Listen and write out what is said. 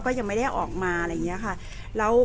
แต่ว่าสามีด้วยคือเราอยู่บ้านเดิมแต่ว่าสามีด้วยคือเราอยู่บ้านเดิม